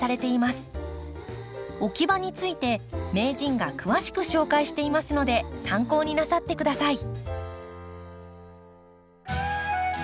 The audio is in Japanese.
置き場について名人が詳しく紹介していますので参考になさって下さい。